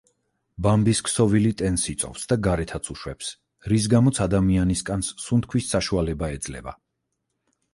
ბამბის ქსოვილი ტენს იწოვს და გარეთაც უშვებს, რის გამოც ადამიანის კანს სუნთქვის საშუალება ეძლევა.